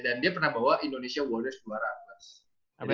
dan dia pernah bawa indonesia world race dua ratus